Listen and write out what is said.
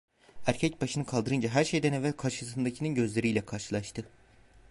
Erkek başını kaldırınca her şeyden evvel karşısındakinin gözleriyle karşılaştı.